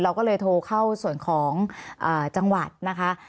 เราก็เลยโทรเข้าส่วนของจังหวัดนะคะ